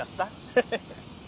ハハハ。